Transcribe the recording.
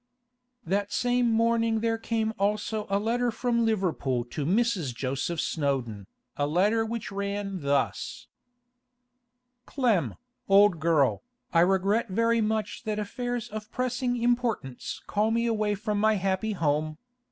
That same morning there came also a letter from Liverpool to Mrs. Joseph Snowdon, a letter which ran thus: 'Clem, old girl, I regret very much that affairs of pressing importance call me away from my happy home.